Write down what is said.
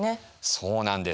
そうなんです。